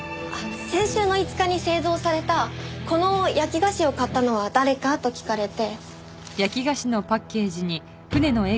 先週の５日に製造されたこの焼き菓子を買ったのは誰か？と聞かれて。